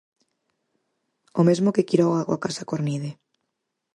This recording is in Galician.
O mesmo que Quiroga coa Casa Cornide.